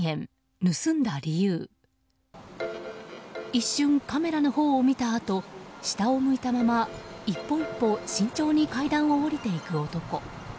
一瞬カメラのほうを見たあと下を向いたまま一歩一歩慎重に階段を下りていく男。